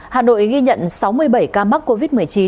hà nội ghi nhận sáu mươi bảy ca mắc covid một mươi chín